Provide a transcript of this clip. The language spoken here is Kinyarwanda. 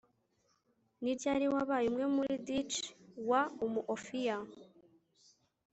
ni ryari wabaye umwe muri ndichie wa umuofia